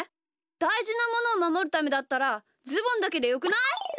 だいじなものをまもるためだったらズボンだけでよくない？